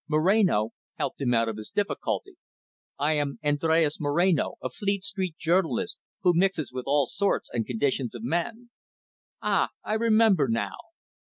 Moreno helped him out of his difficulty. "I am Andres Moreno, a Fleet Street journalist, who mixes with all sorts and conditions of men." "Ah, I remember now."